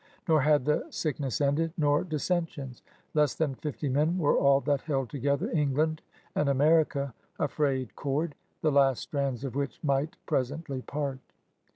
Nor had the sickness ended, nor dissensions. Less than fifty men were all that held together England and America — a frayed cord, the last strands of which might presently part.